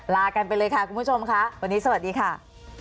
ลากันไปเลยค่ะคุณผู้ชมค่ะวันนี้สวัสดีค่ะ